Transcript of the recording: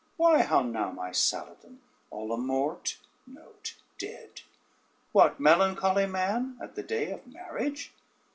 ] "Why how now, my Saladyne, all amort? what melancholy, man, at the day of marriage?